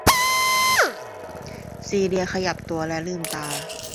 ซีเลียขยับตัวและลืมตา